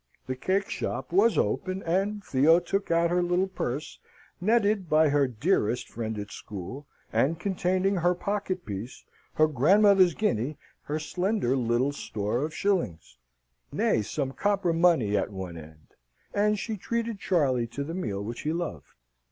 The cake shop was open: and Theo took out her little purse, netted by her dearest friend at school, and containing her pocket piece, her grandmother's guinea, her slender little store of shillings nay, some copper money at one end; and she treated Charley to the meal which he loved.